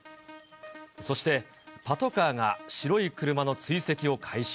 そして、パトカーが白い車の追跡を開始。